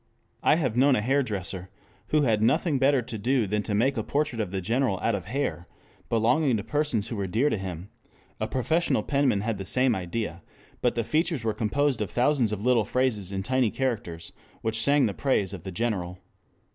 I have known a hairdresser who had nothing better to do than to make a portrait of the General out of hair belonging to persons who were dear to him; a professional penman had the same idea, but the features were composed of thousands of little phrases in tiny characters which sang the praise of the General.